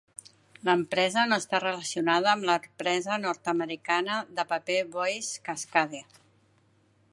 L'empresa no està relacionada amb l'empresa nord-americana de paper Boise Cascade.